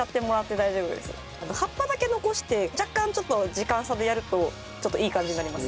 葉っぱだけ残して若干ちょっと時間差でやるとちょっといい感じになります。